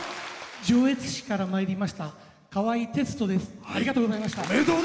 上越市からまいりましたかわいです。